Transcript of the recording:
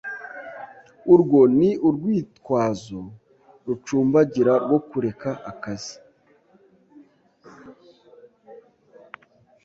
Urwo ni urwitwazo rucumbagira rwo kureka akazi.